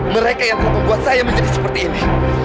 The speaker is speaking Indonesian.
mereka yang membuat saya menjadi seperti ini